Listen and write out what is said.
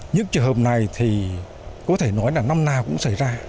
những trường hợp này thì có thể nói là năm nào cũng xảy ra